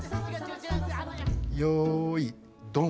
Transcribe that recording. よいドン。